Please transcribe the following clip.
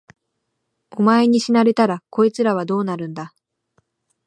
お前に死なれたら、こいつらはどうなるんだ。